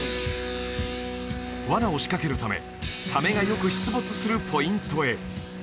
ワナを仕掛けるためサメがよく出没するポイントへ